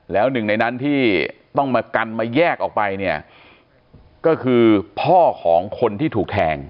แล้วหนึ่งในนั้นที่ต้องมากันมาแยกออกไปเนี่ยก็คือพ่อของคนที่ถูกแทง